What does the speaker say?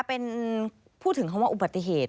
เป็นพูดถึงคำว่าอุบัติเหตุ